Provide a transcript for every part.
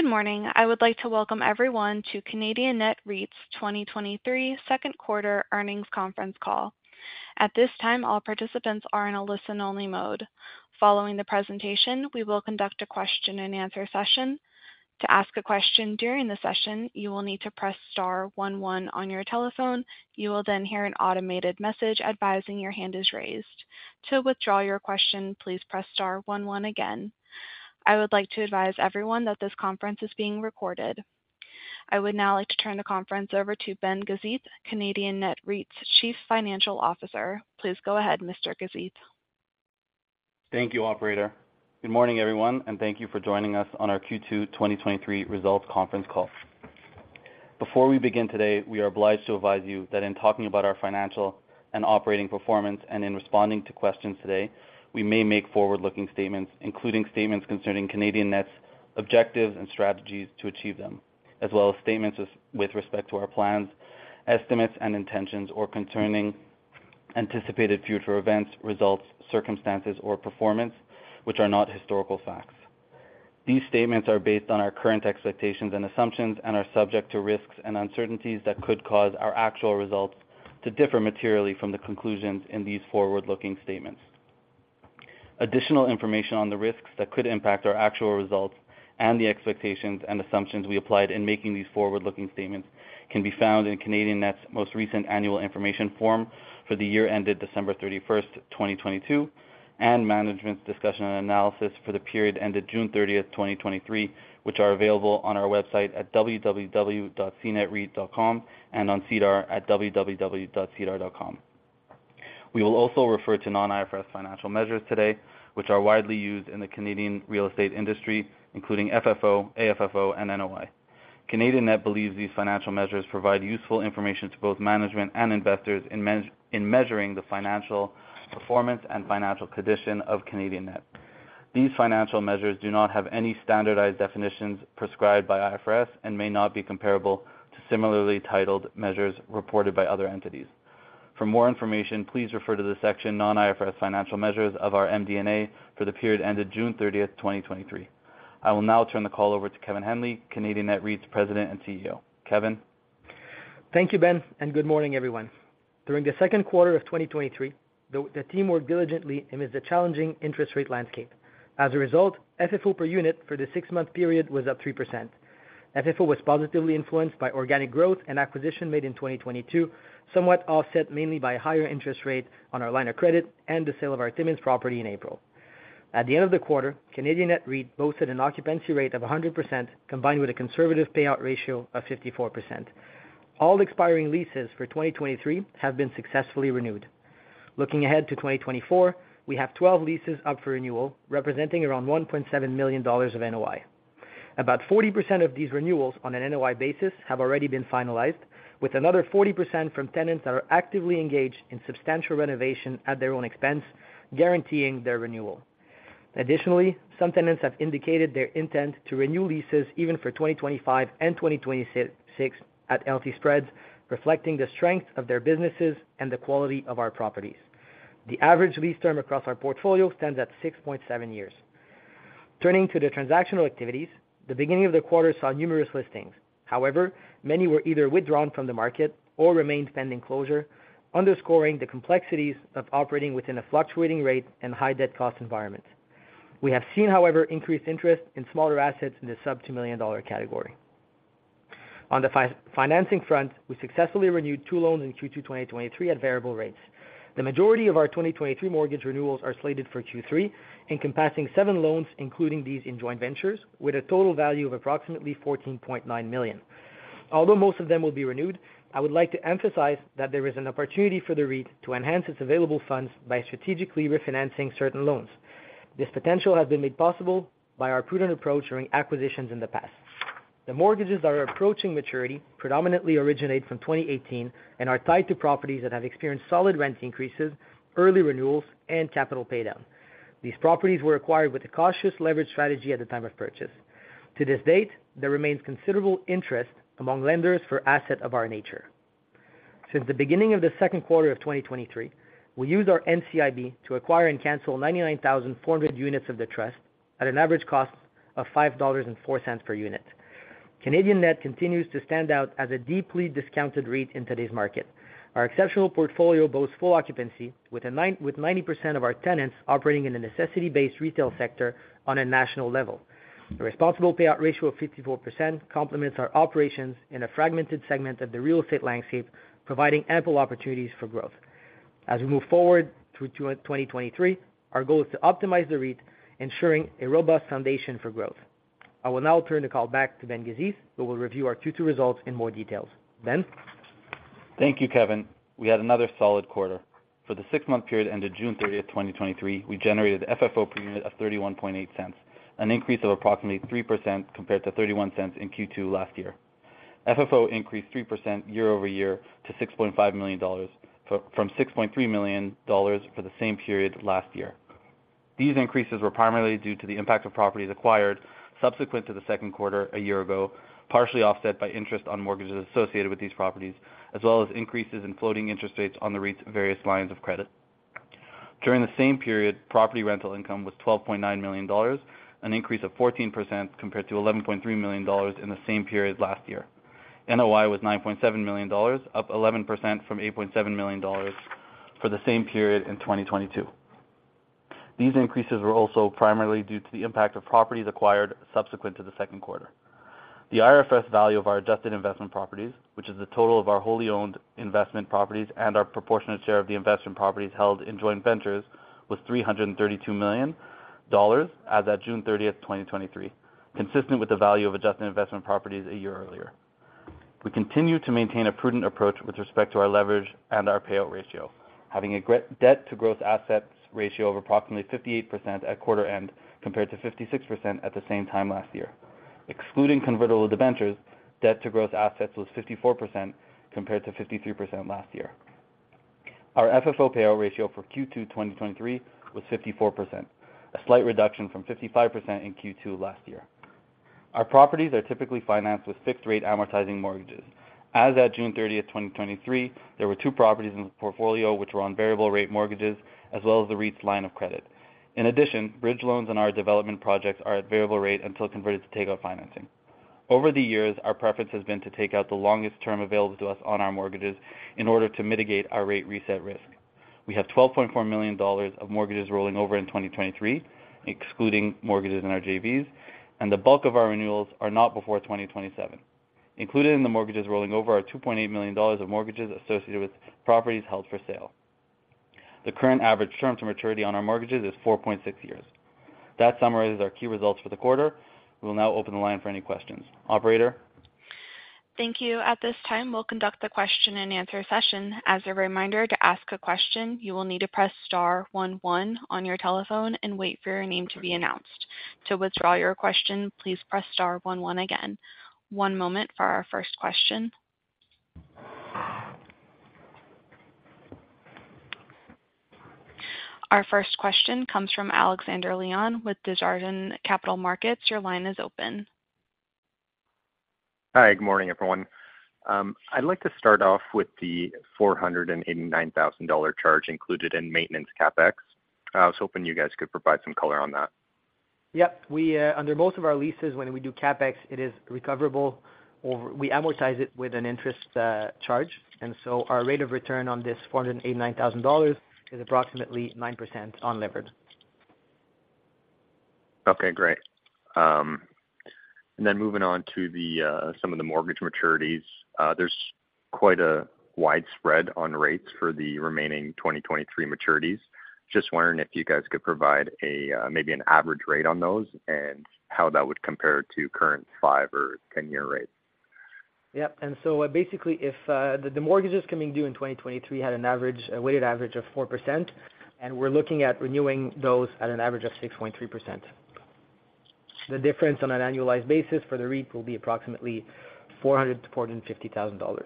Good morning. I would like to welcome everyone to Canadian Net REIT's 2023 second quarter earnings conference call. At this time, all participants are in a listen-only mode. Following the presentation, we will conduct a question-and-answer session. To ask a question during the session, you will need to press star 11 on your telephone. You will then hear an automated message advising your hand is raised. To withdraw your question, please press star 11 again. I would like to advise everyone that this conference is being recorded. I would now like to turn the conference over to Ben Gazith, Canadian Net REIT's Chief Financial Officer. Please go ahead, Mr. Gazith. Thank you, operator. Good morning, everyone, and thank you for joining us on our Q2 2023 results conference call. Before we begin today, we are obliged to advise you that in talking about our financial and operating performance and in responding to questions today, we may make forward-looking statements, including statements concerning Canadian Net's objectives and strategies to achieve them, as well as statements with respect to our plans, estimates, and intentions, or concerning anticipated future events, results, circumstances, or performance, which are not historical facts. These statements are based on our current expectations and assumptions and are subject to risks and uncertainties that could cause our actual results to differ materially from the conclusions in these forward-looking statements. Additional information on the risks that could impact our actual results and the expectations and assumptions we applied in making these forward-looking statements can be found in Canadian Net's most recent Annual Information Form for the year ended December 31, 2022, and Management's Discussion and Analysis for the period ended June 30, 2023, which are available on our website at www.cnetreit.com and on SEDAR at www.sedar.com. We will also refer to Non-IFRS Financial Measures today, which are widely used in the Canadian real estate industry, including FFO, AFFO, and NOI. Canadian Net believes these financial measures provide useful information to both management and investors in measuring the financial performance and financial condition of Canadian Net. These financial measures do not have any standardized definitions prescribed by IFRS and may not be comparable to similarly titled measures reported by other entities. For more information, please refer to the section Non-IFRS Financial Measures of our MD&A for the period ended June 30th, 2023. I will now turn the call over to Kevin Henley, Canadian Net REIT's President and CEO. Kevin? Thank you, Ben. Good morning, everyone. During the second quarter of 2023, the team worked diligently amid the challenging interest rate landscape. As a result, FFO per unit for the six-month period was up 3%. FFO was positively influenced by organic growth and acquisition made in 2022, somewhat offset mainly by higher interest rate on our line of credit and the sale of our Timmins property in April. At the end of the quarter, Canadian Net REIT boasted an occupancy rate of 100%, combined with a conservative payout ratio of 54%. All expiring leases for 2023 have been successfully renewed. Looking ahead to 2024, we have 12 leases up for renewal, representing around $1.7 million of NOI. About 40% of these renewals on an NOI basis have already been finalized, with another 40% from tenants that are actively engaged in substantial renovation at their own expense, guaranteeing their renewal. Additionally, some tenants have indicated their intent to renew leases even for 2025 and 2026 at healthy spreads, reflecting the strength of their businesses and the quality of our properties. The average lease term across our portfolio stands at 6.7 years. Turning to the transactional activities, the beginning of the quarter saw numerous listings. However, many were either withdrawn from the market or remained pending closure, underscoring the complexities of operating within a fluctuating rate and high debt cost environment. We have seen, however, increased interest in smaller assets in the sub-CAD 2 million category. On the financing front, we successfully renewed two loans in Q2 2023 at variable rates. The majority of our 2023 mortgage renewals are slated for Q3, encompassing seven loans, including these in joint ventures, with a total value of approximately 14.9 million. Most of them will be renewed, I would like to emphasize that there is an opportunity for the REIT to enhance its available funds by strategically refinancing certain loans. This potential has been made possible by our prudent approach during acquisitions in the past. The mortgages that are approaching maturity predominantly originate from 2018 and are tied to properties that have experienced solid rent increases, early renewals, and capital paydown. These properties were acquired with a cautious leverage strategy at the time of purchase. To this date, there remains considerable interest among lenders for asset of our nature. Since the beginning of the second quarter of 2023, we used our NCIB to acquire and cancel 99,400 units of the trust at an average cost of 5.04 dollars per unit. Canadian Net continues to stand out as a deeply discounted REIT in today's market. Our exceptional portfolio boasts full occupancy with 90% of our tenants operating in a necessity-based retail sector on a national level. A responsible payout ratio of 54% complements our operations in a fragmented segment of the real estate landscape, providing ample opportunities for growth. As we move forward through 2023, our goal is to optimize the REIT, ensuring a robust foundation for growth. I will now turn the call back to Ben Gazith, who will review our Q2 results in more details. Ben? Thank you, Kevin. We had another solid quarter. For the six-month period ended June 30, 2023, we generated FFO per unit of 0.318, an increase of approximately 3% compared to 0.31 in Q2 last year. FFO increased 3% year-over-year to 6.5 million dollars from 6.3 million dollars for the same period last year. These increases were primarily due to the impact of properties acquired subsequent to the second quarter a year ago, partially offset by interest on mortgages associated with these properties, as well as increases in floating interest rates on the REIT's various lines of credit. During the same period, property rental income was 12.9 million dollars, an increase of 14% compared to 11.3 million dollars in the same period last year. NOI was 9.7 million dollars, up 11% from 8.7 million dollars for the same period in 2022. These increases were also primarily due to the impact of properties acquired subsequent to the second quarter. The IFRS value of our adjusted investment properties, which is the total of our wholly owned investment properties and our proportionate share of the investment properties held in joint ventures, was 332 million dollars as at June 30th, 2023, consistent with the value of adjusted investment properties a year earlier. We continue to maintain a prudent approach with respect to our leverage and our payout ratio, having a debt to gross assets ratio of approximately 58% at quarter end, compared to 56% at the same time last year. Excluding convertible debentures, debt to gross assets was 54%, compared to 53% last year. Our FFO payout ratio for Q2 2023 was 54%, a slight reduction from 55% in Q2 last year. Our properties are typically financed with fixed-rate amortizing mortgages. As at June 30, 2023, there were two properties in the portfolio, which were on variable rate mortgages, as well as the REITs line of credit. In addition, bridge loans on our development projects are at variable rate until converted to takeout financing. Over the years, our preference has been to take out the longest term available to us on our mortgages in order to mitigate our rate reset risk. We have 12.4 million dollars of mortgages rolling over in 2023, excluding mortgages in our JVs, and the bulk of our renewals are not before 2027. Included in the mortgages rolling over are 2.8 million dollars of mortgages associated with properties held for sale. The current average term to maturity on our mortgages is 4.6 years. That summarizes our key results for the quarter. We will now open the line for any questions. Operator? Thank you. At this time, we'll conduct the question and answer session. As a reminder, to ask a question, you will need to press star one one on your telephone and wait for your name to be announced. To withdraw your question, please press star one one again. One moment for our first question. Our first question comes from Alexander Leon with Desjardins Capital Markets. Your line is open. Hi, good morning, everyone. I'd like to start off with the 489,000 dollar charge included in maintenance CapEx. I was hoping you guys could provide some color on that. Yeah. We, under most of our leases, when we do CapEx, it is recoverable, or we amortize it with an interest, charge. So our rate of return on this 489,000 dollars is approximately 9% on levered. Okay, great. Then moving on to the, some of the mortgage maturities. There's quite a wide spread on rates for the remaining 2023 maturities. Just wondering if you guys could provide a, maybe an average rate on those, and how that would compare to current five- or 10-year rates? Yeah. So basically, if, the, the mortgages coming due in 2023 had an average, a weighted average of 4%, and we're looking at renewing those at an average of 6.3%. The difference on an annualized basis for the REIT will be approximately $400,000-$450,000.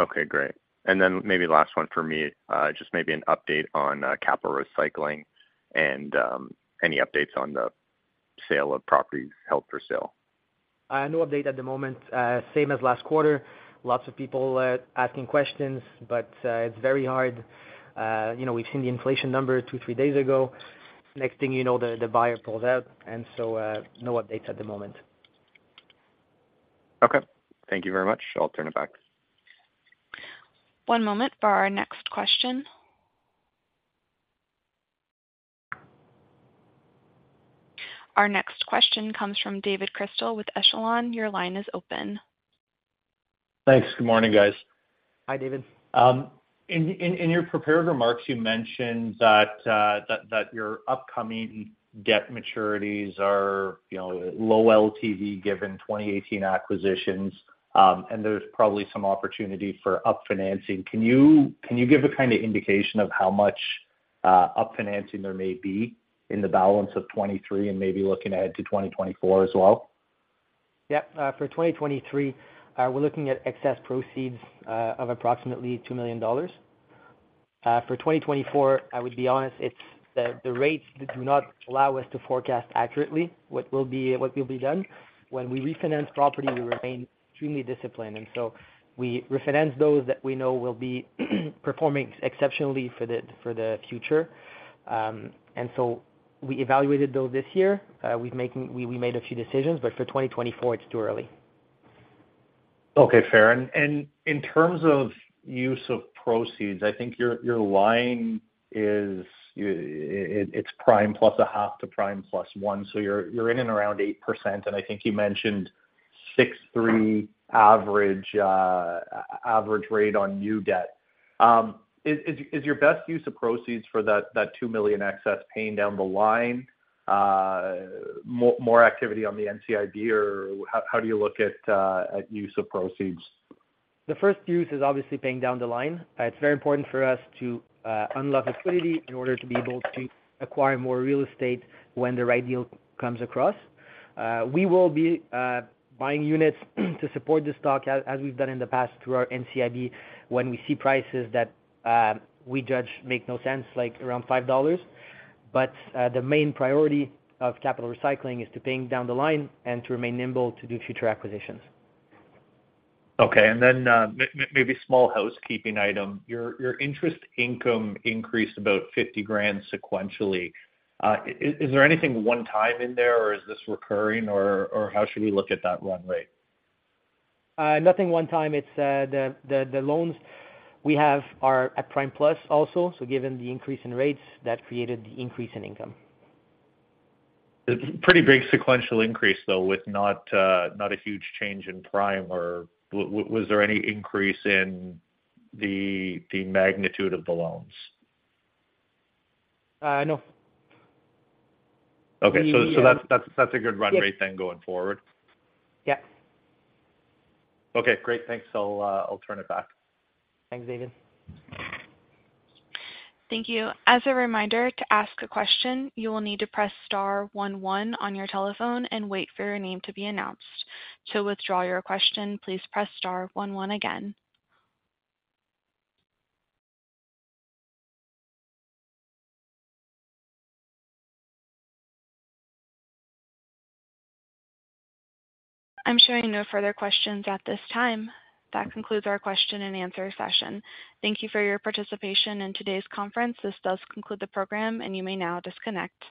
Okay, great. Then maybe last one for me, just maybe an update on capital recycling and any updates on the sale of properties held for sale? No update at the moment. Same as last quarter. Lots of people asking questions, but it's very hard. You know, we've seen the inflation number 2, 3 days ago. Next thing you know, the buyer pulls out. So, no updates at the moment. Okay. Thank you very much. I'll turn it back. One moment for our next question. Our next question comes from David Chrystal with Echelon. Your line is open. Thanks. Good morning, guys. Hi, David. In your prepared remarks, you mentioned that your upcoming debt maturities are, you know, low LTV given 2018 acquisitions, there's probably some opportunity for up financing. Can you, can you give a kind of indication of how much up financing there may be in the balance of 2023 and maybe looking ahead to 2024 as well? Yeah. For 2023, we're looking at excess proceeds of approximately 2 million dollars. For 2024, I would be honest, it's the, the rates do not allow us to forecast accurately what will be, what will be done. When we refinance property, we remain extremely disciplined, we refinance those that we know will be performing exceptionally for the future. We evaluated those this year. We made a few decisions, for 2024, it's too early. Okay, fair. And in terms of use of proceeds, I think your, your line is, it's prime plus 0.5 to prime plus 1, so you're, you're in and around 8%, and I think you mentioned 6.3 average rate on new debt. Is, is, is your best use of proceeds for that, that 2 million excess paying down the line, more, more activity on the NCIB, or how, how do you look at use of proceeds? The first use is obviously paying down the line. It's very important for us to unlock liquidity in order to be able to acquire more real estate when the right deal comes across. We will be buying units to support the stock, as we've done in the past, through our NCIB, when we see prices that we judge make no sense, like around 5 dollars. The main priority of capital recycling is to paying down the line and to remain nimble to do future acquisitions. Okay. Then maybe small housekeeping item. Your, your interest income increased about 50,000 sequentially. Is there anything one-time in there, or is this recurring, or, or how should we look at that run rate? Nothing one time. It's, the, the, the loans we have are at prime plus also. Given the increase in rates, that created the increase in income. It's a pretty big sequential increase, though, with not, not a huge change in prime, or was there any increase in the, the magnitude of the loans? No. Okay. We, That's, that's, that's a good run rate. Yeah... going forward? Yeah. Okay, great. Thanks. I'll turn it back. Thanks, David. Thank you. As a reminder, to ask a question, you will need to press star one one on your telephone and wait for your name to be announced. To withdraw your question, please press star one one again. I'm showing no further questions at this time. That concludes our question and answer session. Thank you for your participation in today's conference. This does conclude the program, you may now disconnect.